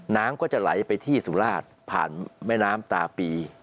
น้ำก็จะไหลไปที่สุราชผ่านแม่น้ำตาปี